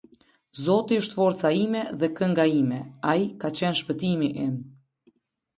Zoti është forca ime dhe kënga ime, ai ka qenë shpëtimi im.